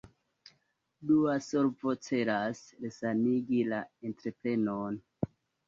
Dua solvo celas resanigi la entreprenon.